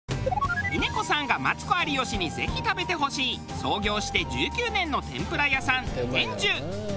峰子さんがマツコ有吉にぜひ食べてほしい創業して１９年の天ぷら屋さん天寿。